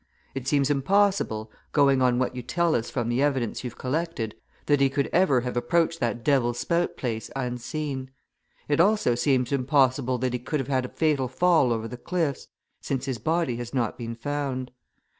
It seems impossible, going on what you tell us from the evidence you've collected, that he could ever have approached that Devil's Spout place unseen; it also seems impossible that he could have had a fatal fall over the cliffs, since his body has not been found.